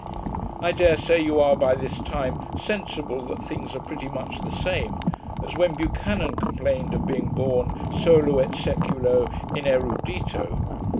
I dare say you are by this time sensible that things are pretty much the same, as when Buchanan complained of being born solo et seculo inerudito.